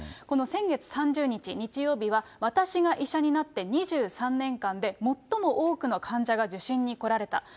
この先月３０日日曜日は、私が医者になって２３年間で最も多くの患者が受診に来られた。